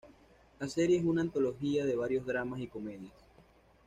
La serie es una antología de varios dramas y comedias.